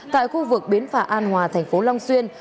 tại khu vực biến phả an hòa tp long xuyên